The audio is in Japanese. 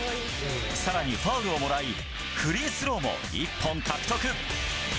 さらにファウルをもらい、フリースローも１本獲得。